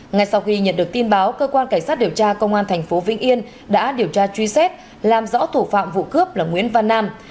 ngay sau khi nhận được tin báo cơ quan cảnh sát điều tra công an tp vĩnh yên đã điều tra truy xét làm rõ thủ phạm vụ cướp là nguyễn văn nam